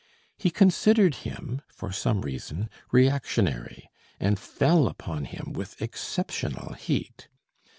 He considered him for some reason reactionary, and fell upon him with exceptional heat.